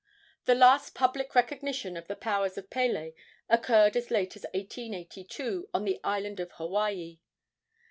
The last public recognition of the powers of Pele occurred as late as 1882 on the island of Hawaii.